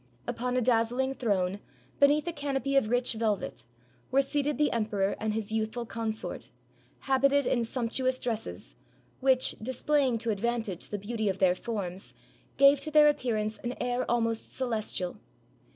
Upon a dazzling throne, beneath a canopy of rich velvet, were seated the emperor and his youthful consort, habited in sumptuous dresses, which, displaying to advantage the beauty of their forms, gave to their appearance an air almost celestial.